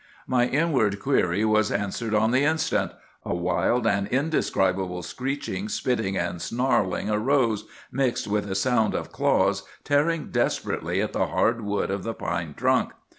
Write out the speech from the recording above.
"My inward query was answered on the instant. A wild and indescribable screeching, spitting, and snarling arose, mixed with a sound of claws tearing desperately at the hard wood of the pine trunk.